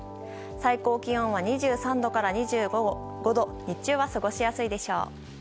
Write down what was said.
最高気温は２３度から２５度日中は過ごしやすいでしょう。